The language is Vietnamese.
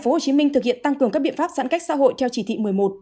tp hcm thực hiện tăng cường các biện pháp giãn cách xã hội theo chỉ thị một mươi một